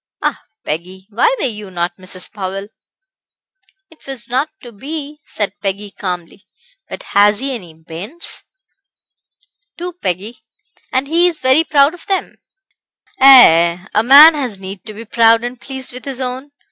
Ah! Peggy, why were you not Mrs Powell?" "It was not to be," said Peggy, calmly; "but has he any bairns?" "Two, Peggy; and he is very proud of them." "Ay, ay; a man has need to be proud and pleased with his own.